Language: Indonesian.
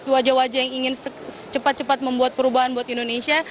wajah wajah yang ingin cepat cepat membuat perubahan buat indonesia